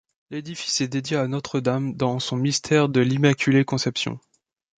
L'édifice est dédiée à Notre Dame dans son mystère de l'Immaculée Conception.